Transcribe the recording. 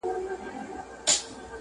احمدشاه بابا د کندهار ښار